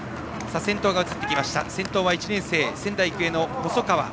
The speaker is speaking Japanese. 先頭は１年生、仙台育英の細川。